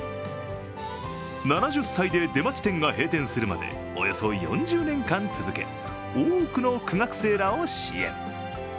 ７０歳で出町店が閉店するまで、およそ４０年間続け、多くの苦学生らを支援。